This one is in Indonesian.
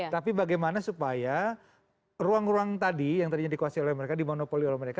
tapi bagaimana supaya ruang ruang tadi yang tadinya dikuasai oleh mereka dimonopoli oleh mereka